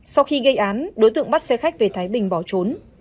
sau khi gây án đối tượng bắt xe khách về thái bình bỏ trốn